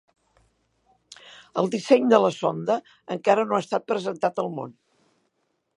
El disseny de la sonda encara no ha estat presentat al món.